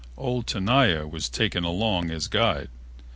Old Tenaya was taken along as guide.